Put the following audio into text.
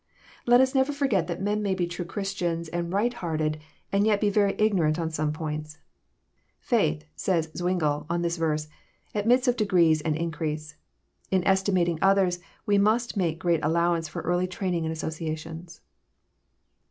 Let us never forget that men may be true Christians, and right hearted, and yet be very ignorant on some points. Faith," says Zwingle, on this verse, '* admits of degrees and increase." In estimating others, we must make great allowance for early training and associations.